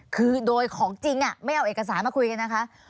คือโดยของจริงไม่เอาเอกสารมาคุยกันนะคะ